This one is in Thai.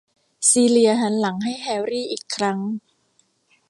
ซีเลียหันหลังให้แฮร์รี่อีกครั้ง